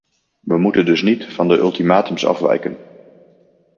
We moeten dus niet van de ultimatums afwijken.